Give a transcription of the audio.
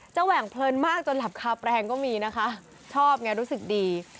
แหว่งเพลินมากจนหลับคาแปลงก็มีนะคะชอบไงรู้สึกดี